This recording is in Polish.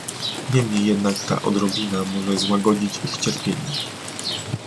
Niemniej jednak ta odrobina może złagodzić ich cierpienie